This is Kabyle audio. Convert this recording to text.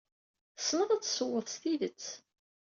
Tessneḍ ad tessewweḍ s tidet.